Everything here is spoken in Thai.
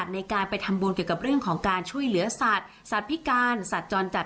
ในการไปทำบุญเรื่องของการช่วยเหลือสัตว์สาธิการสัตว์จรจัด